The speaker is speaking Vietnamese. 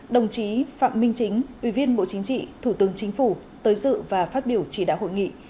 đồng chí phạm minh chính ủy viên bộ chính trị thủ tướng chính phủ tới dự và phát biểu chỉ đạo hội nghị